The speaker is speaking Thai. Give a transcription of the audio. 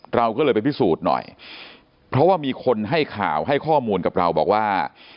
เราก็เลยไปพิสูจน์หน่อยเพราะว่ามีคนให้ข่าวให้ข้อมูลกับเราบอกว่า